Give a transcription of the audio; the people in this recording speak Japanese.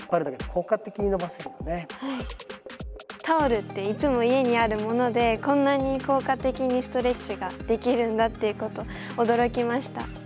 タオルっていつも家にあるものでこんなに効果的にストレッチができるんだっていうことに驚きました。